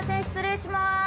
失礼します。